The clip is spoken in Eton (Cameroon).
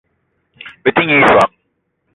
Bete nyi i soag.